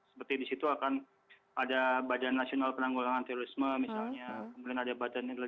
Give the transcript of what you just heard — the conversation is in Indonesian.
seperti di situ akan ada badan nasional penanggulangan terorisme misalnya kemudian ada badan intelijen